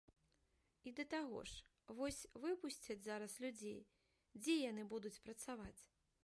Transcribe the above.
І да таго ж, вось выпусцяць зараз людзей, дзе яны будуць працаваць?